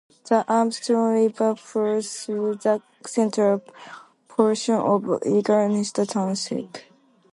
The Armstrong River flows through the central portion of Eagles Nest Township.